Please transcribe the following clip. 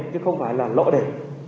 chứ không phải là lộ đề